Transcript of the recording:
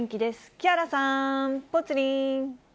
木原さん、ぽつリン。